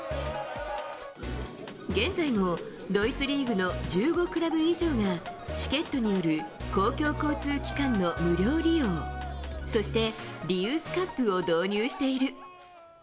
現在もドイツリーグの１５クラブ以上がチケットによる公共交通機関の無料利用そしてリユースカップを導入している。